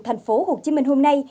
thành phố hồ chí minh hôm nay